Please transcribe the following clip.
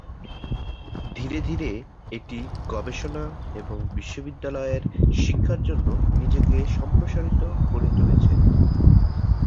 ধীরে ধীরে এটি গবেষণা এবং বিশ্ববিদ্যালয়ের শিক্ষার জন্য নিজেকে সম্প্রসারিত করে তুলেছে।